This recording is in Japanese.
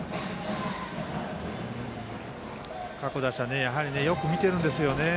各打者よく見ているんですよね。